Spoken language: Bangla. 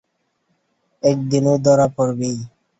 একদিন ও ধরা পরবেই।